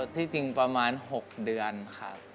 ที่จริงประมาณ๖เดือนครับ